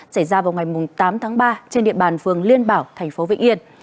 xảy ra vào ngày tám tháng ba trên địa bàn phường liên bảo thành phố vĩnh yên